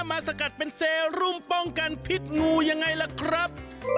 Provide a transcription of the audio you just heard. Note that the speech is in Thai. สกัดเป็นเซรุมป้องกันพิษงูยังไงล่ะครับ